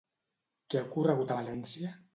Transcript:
Què ha ocorregut a València?